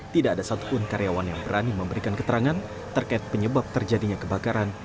tidak ada satupun karyawan yang berani memberikan keterangan terkait penyebab terjadinya kebakaran